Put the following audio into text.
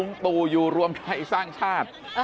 ตู่อยู่รวมไทยสร้างชาติ